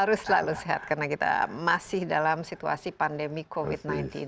harus selalu sehat karena kita masih dalam situasi pandemi covid sembilan belas